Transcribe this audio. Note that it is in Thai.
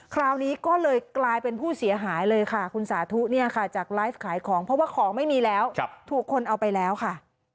คราวนี้ก็เลยกลายเป็นผู้เสียหายเลยค่ะคุณสาธุเนี่ยค่ะจากไลฟ์ขายของเพราะว่าของไม่มีแล้วถูกคนเอาไปแล้วค่ะ